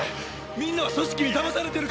みんなは組織にだまされてるかもしれない！